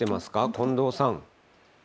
近藤さん。